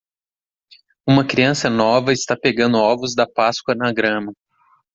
Uma criança nova está pegando ovos da páscoa na grama.